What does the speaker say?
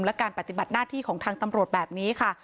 และการปฏิบัติหน้าที่ของทางตำรวจแบบนี้ค่ะ